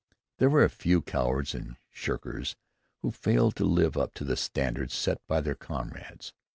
There were a few cowards and shirkers who failed to live up to the standard set by their comrades.